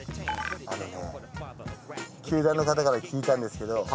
あれね球団の方から聞いたんですけど。